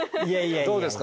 どうですか？